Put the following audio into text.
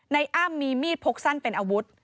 อ้ำมีมีดพกสั้นเป็นอาวุธ